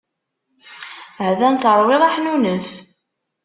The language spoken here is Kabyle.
Ha-t-an terwiḍ aḥnunef.